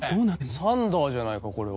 サンダーじゃないかこれは。